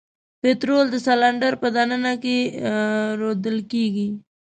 پطرول د سلنډر په د ننه کې رودل کیږي.